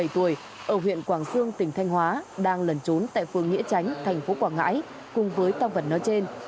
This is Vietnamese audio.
hai mươi bảy tuổi ở huyện quảng dương tỉnh thanh hóa đang lần trốn tại phương nghĩa tránh thành phố quảng ngãi cùng với tàu vật nó trên